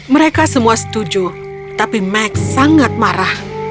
mereka semua setuju tapi max sangat marah